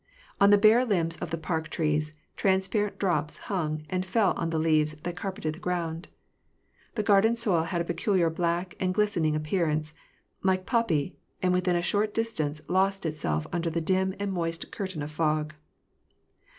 On the bare limbs of the park trees, transparent drops hung and fell on the leaves that carpeted the ground. The garden soil had a peculiar black and glistening appearance, like poppy, and within a short distance lost itself under the dim and moist curtain of fog.